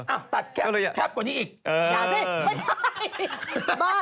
อ้าวตัดแคบกว่านี้อีกอย่าสิไม่ได้บ้า